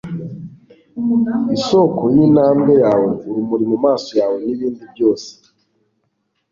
isoko yintambwe yawe, urumuri mumaso yawe, nibindi byose